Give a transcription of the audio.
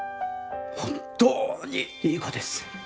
本当にいい子です。